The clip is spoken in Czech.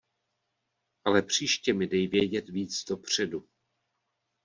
Ale příště mi dej vědět víc dopředu.